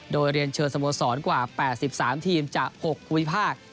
โดยเรียนเชิญสโมสรกว่า๘๓ทีมจาก๖ภูมิภาค